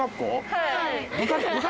はい。